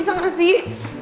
udah ikut aja sini